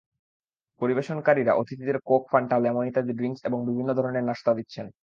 পরিবেশনকারীরা অতিথিদের Coke, Fanta, lemon ইত্যাদি drinks এবং বিভিন্ন ধরনের নাশতা দিচ্ছেন।